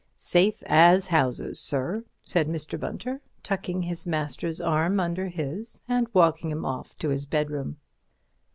"Safe as houses, sir," said Mr. Bunter, tucking his master's arm under his and walking him off to his bedroom.